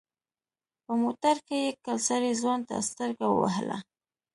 په موټر کې يې کلسري ځوان ته سترګه ووهله.